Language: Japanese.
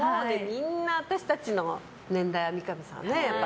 みんな私たちの年代は三上さん。